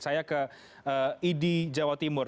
saya ke idi jawa timur